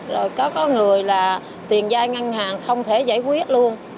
rồi có người là tiền giai ngăn hàng không thể giải quyết luôn